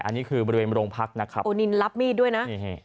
อันนี้คือบริเวณโรงพักนะครับโอนินรับมีดด้วยนะ